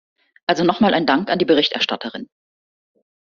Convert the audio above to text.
Also nochmal ein Dank an die Berichterstatterin.